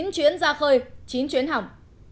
chín chuyến ra khơi chín chuyến hỏng